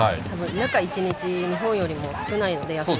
中１日、日本より少ないので。